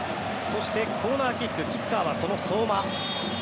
そしてコーナーキックキッカーはその相馬。